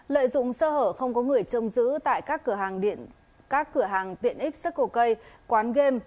lợi dụng sơ hở không có người trông giữ tại các cửa hàng tiện ích sắc cổ cây quán game